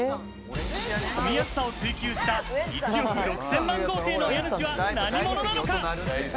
住みやすさを追求した１億６０００万豪邸の家主は何者なのか。